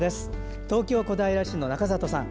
東京・小平市の中里さん。